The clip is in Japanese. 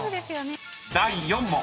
［第４問］